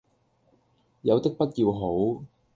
有的不要好，